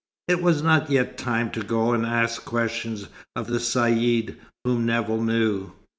It was not yet time to go and ask questions of the Caïd, whom Nevill knew.